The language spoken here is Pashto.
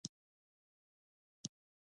د بولیویا او پیرو په پرتله لږ شمېر ژوند کوي.